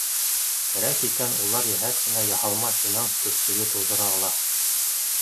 Кәрәк икән, улар йәһәт кенә яһалма финанс көрсөгө тыуҙыра ала.